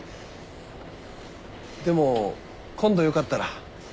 でも今度よかったら。